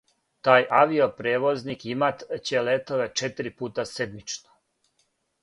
Тај авио-пријевозник имат ће летове четири пута седмично.